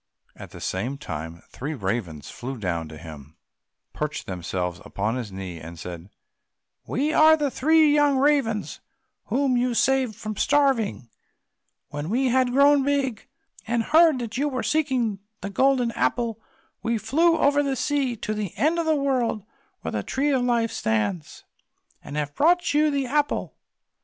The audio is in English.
At the same time three ravens flew down to him, perched themselves upon his knee, and said, "We are the three young ravens whom you saved from starving; when we had grown big, and heard that you were seeking the Golden Apple, we flew over the sea to the end of the world, where the Tree of Life stands, and have brought you the apple."